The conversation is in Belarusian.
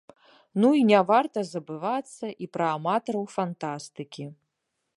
Ну і не варта забывацца і пра аматараў фантастыкі.